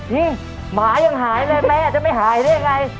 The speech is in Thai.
เฮ้ยหมายังหายเลยไหมอาจจะไม่หายได้ไง